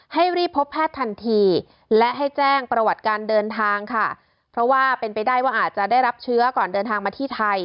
ให้รีบพบแพทย์ทันทีและให้แจ้งประวัติการเดินทางค่ะเพราะว่าเป็นไปได้ว่าอาจจะได้รับเชื้อก่อนเดินทางมาที่ไทย